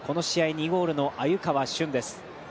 ２ゴールの鮎川峻です。